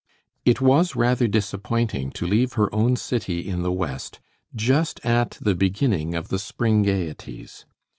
It was rather disappointing to leave her own city in the West, just at the beginning of the spring gayeties.